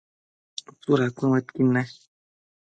¿tsudad cuëdmëdquid ne?